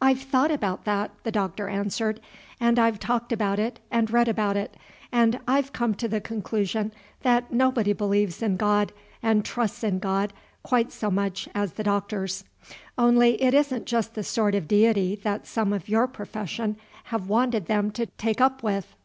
"I've thought about that," the Doctor answered, "and I've talked about it and read about it, and I've come to the conclusion that nobody believes in God and trusts in God quite so much as the doctors; only it is n't just the sort of Deity that some of your profession have wanted them to take up with.